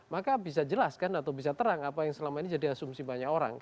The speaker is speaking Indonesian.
maka bisa jelas kan atau bisa terang apa yang selama ini jadi asumsi banyak orang